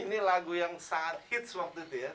ini lagu yang sangat hits waktu itu ya